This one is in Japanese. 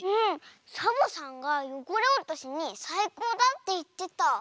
サボさんがよごれおとしにさいこうだっていってた。